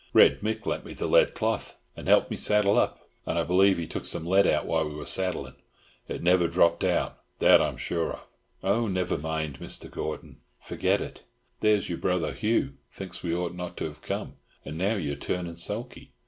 "Red Mick lent me the lead cloth, and helped me saddle up, and I believe he took some lead out while we were saddling. It never dropped out. That I'm sure of." "Oh, never mind, Mr. Gordon! Forget it! There's your brother, Hugh, thinks we ought not to have come, and now you are turning sulky.